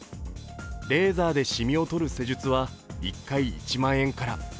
レーザーでしみを取る施術は１回１万円から。